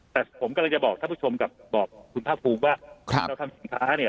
แต่ผมกำลังจะบอกท่านผู้ชมกับบอกคุณภาคภูมิว่าเราทำสินค้าเนี่ย